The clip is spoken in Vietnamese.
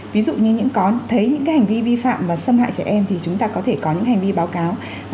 ví dụ như có thấy những cái hành vi vi phạm và xâm hại trẻ em thì chúng ta có thể có những hành vi báo cáo